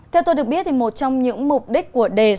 theo tôi được biết thì một trong những mục đích của đề này là